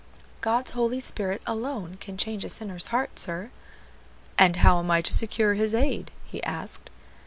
"God's Holy Spirit, alone, can change a sinner's heart, sir." "And how am I to secure His aid?" he asked.